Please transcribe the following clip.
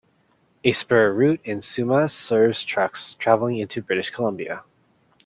A spur route in Sumas serves trucks traveling into British Columbia.